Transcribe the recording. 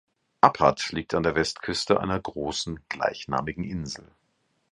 Appat liegt an der Westküste einer großen gleichnamigen Insel.